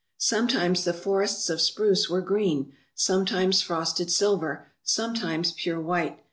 Sometimes the forests of spruce were green, sometimes frosted silver, sometimes pure white.